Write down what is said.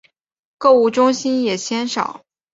购物中心也鲜少。